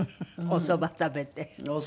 おそば食べて。